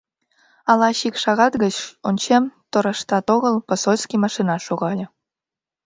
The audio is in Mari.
А лач ик шагат гыч, ончем, тораштат огыл, посольский машина шогале.